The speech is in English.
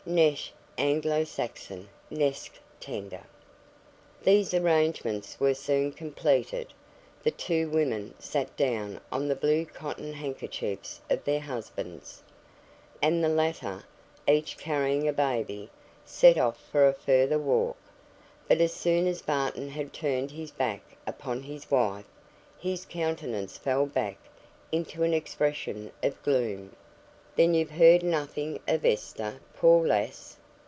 [Footnote 1: "Nesh;" Anglo Saxon, nesc, tender.] These arrangements were soon completed: the two women sat down on the blue cotton handkerchiefs of their husbands, and the latter, each carrying a baby, set off for a further walk; but as soon as Barton had turned his back upon his wife, his countenance fell back into an expression of gloom. "Then you've heard nothing of Esther, poor lass?"